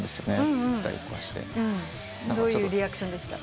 どういうリアクションでした？